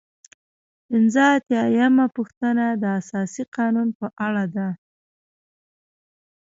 پنځه اتیا یمه پوښتنه د اساسي قانون په اړه ده.